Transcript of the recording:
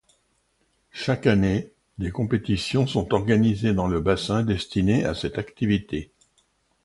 Chaque année, des compétitions sont organisées, dans le bassin destiné à cette activité.